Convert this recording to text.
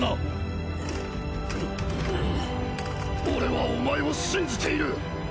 俺はお前を信じている！